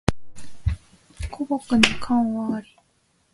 枯木に寒鴉あり